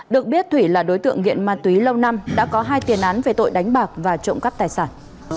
được biết thủy là đối tượng nghiện ma túy lâu năm đã có hai tiền án về tội đánh bạc và trộm cắp tài sản